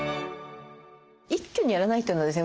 一挙にやらないというのはですね